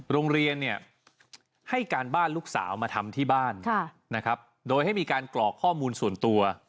โรงเรียนเนี่ยให้การบ้านลูกสาวมาทำที่บ้านนะครับโดยให้มีการกรอกข้อมูลส่วนตัว